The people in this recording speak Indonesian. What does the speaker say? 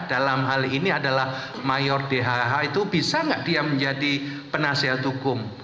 dalam hal ini adalah mayor dhh itu bisa nggak dia menjadi penasihat hukum